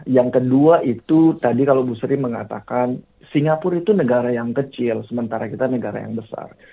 yang kedua itu tadi kalau bu sri mengatakan singapura itu negara yang kecil sementara kita negara yang besar